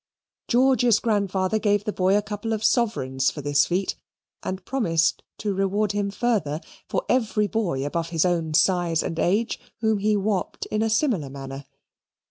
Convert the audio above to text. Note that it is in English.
George's grandfather gave the boy a couple of sovereigns for that feat and promised to reward him further for every boy above his own size and age whom he whopped in a similar manner.